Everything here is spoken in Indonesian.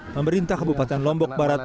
pemerintah kabupaten lombok barat